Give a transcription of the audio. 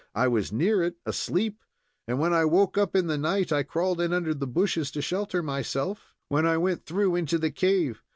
I was near it, asleep, and when I woke up in the night I crawled in under the bushes to shelter myself, when I went through into the cave.